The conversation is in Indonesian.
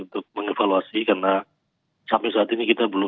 untuk mengevaluasi karena sampai saat ini kita belum